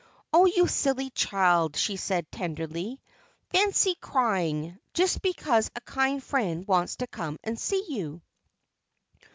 "Oh, you silly child!" she said, tenderly. "Fancy crying, just because a kind friend wants to come and see you!